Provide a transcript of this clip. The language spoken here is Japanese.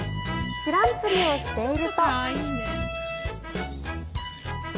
知らんぷりをしていると。